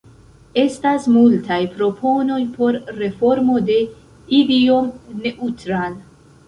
Estas multaj proponoj por reformo de Idiom-Neutral.